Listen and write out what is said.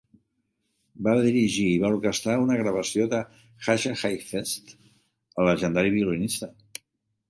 Va dirigir i va orquestrar una gravació de Jascha Heifetz, el llegendari violinista.